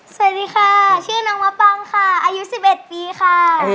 สวัสดีค่ะชื่อน้องมะปังค่ะอายุ๑๑ปีค่ะ